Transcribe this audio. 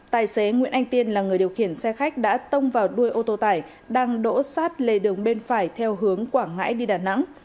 tài xế nguyễn anh tiên là người điều khiển xe khách đã tông vào đuôi ô tô tải đang đỗ sát lề đường bên phải theo hướng quảng ngãi đi đà nẵng